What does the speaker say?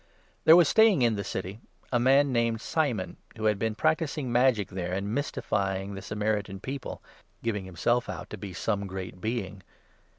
There was staying in the city a man named Simon, who had been practising magic there and mystifying the Samari tan people, giving himself out to be some great Being.